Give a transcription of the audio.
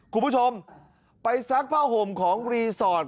คุณผู้ชมไปซักผ้าห่มของรีสอร์ท